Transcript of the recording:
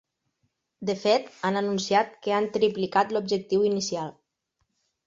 De fet, han anunciat que han triplicat l’objectiu inicial.